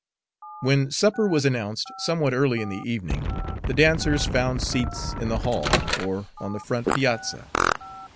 When supper was announced, somewhat early in the evening, the dancers found seats in the hall or on the front piazza.